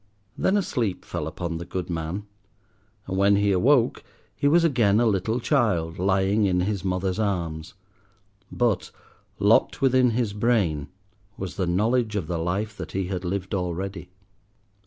Then a sleep fell upon the good man, and when he awoke, he was again a little child, lying in his mother's arms; but, locked within his brain was the knowledge of the life that he had lived already.